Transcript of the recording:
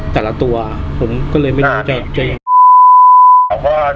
แต่ละตัวผมก็เลยไม่รู้จะจะว่าเป็นเกร็ดใช่ไหมอืมใช้ต่อครั้ง